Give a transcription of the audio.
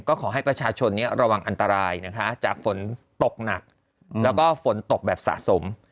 ก็ขอให้ประชาชนระวังอันตรายนะคะจากฝนตกหนักแล้วก็ฝนตกแบบสะสม